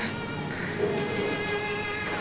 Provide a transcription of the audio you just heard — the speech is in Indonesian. perut kamu udah tambah besar ya sekarang